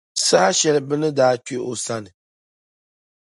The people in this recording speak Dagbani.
Saha shεli bɛ ni daa kpe o sani.